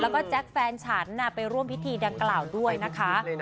แล้วก็แจ๊คแฟนฉันไปร่วมพิธีดังกล่าวด้วยนะคะ